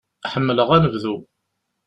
Ḥemmleɣ anebdu.